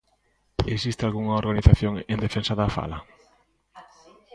Existe algunha organización en defensa da fala?